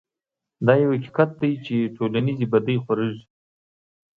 دا يو حقيقت دی چې ټولنيزې بدۍ خورېږي.